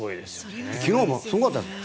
昨日もすごかった。